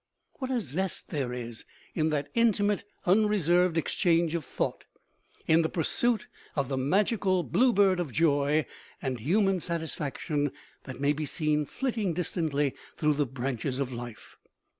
What a zest there is in that intimate unreserved exchange of thought, in the pursuit of the magical blue bird of joy and human satisfaction that may be seen flitting distantly through the branches of life.